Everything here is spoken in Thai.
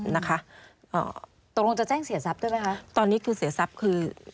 นะคะอ่าตกลงจะแจ้งเสียทรัพย์ด้วยไหมคะตอนนี้คือเสียทรัพย์คือ